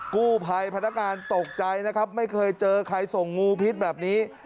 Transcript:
กู้ภัยพนักงานตกใจนะครับไม่เคยเจอใครส่งงูพิษแบบนี้